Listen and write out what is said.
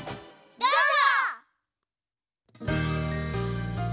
どうぞ！